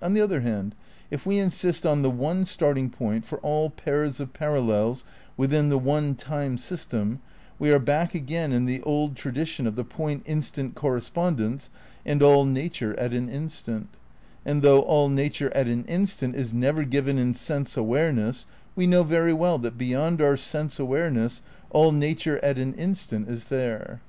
On the other hand, if we insist on the one starting point for all pairs of parallels within the one time system we are back again in the old tradition of the point instant correspondence and '' all nature at an in stant"; and though all nature at an instant is never given in sense awareness, we know very well that be yond our sense awareness all nature at an instant is there.